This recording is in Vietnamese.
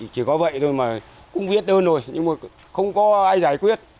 chỉ có vậy thôi mà cũng viết đơn rồi nhưng mà không có ai giải quyết